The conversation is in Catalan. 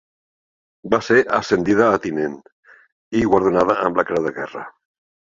Va ser ascendida a tinent i guardonada amb la Creu de Guerra.